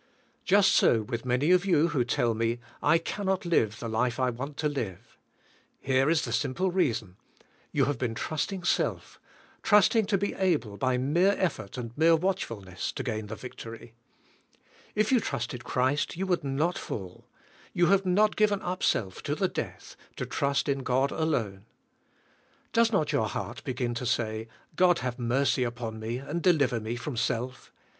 Just so with many of you who tell me, "I cannot live the life I want to live." Here is the simple reason. You have been trusting self, trust ing to be able by mere effort and mere watchfulness to gain the victory. If you trusted Christ you would not fall. You have not given up self to the death, to trust in God alone. Does not your heart 52 THE) SPIRITUAL, I,IFE. begin to say, ^' God have mercy upon me and deliver me from self.